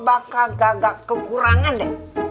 bakal gagak kekurangan deh